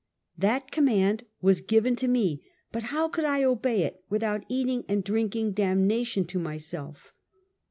That command was given to me, but how could I obey it without eating and drinking dam nation to myself?